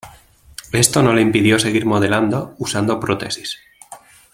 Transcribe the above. Esto no le impidió seguir modelando, usando prótesis.